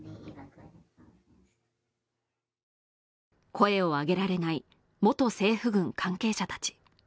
声を上げられない元政府軍関係者たち。